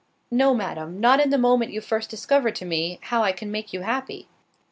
"No, Madam, not in the moment you first discover to me, how I can make you happy."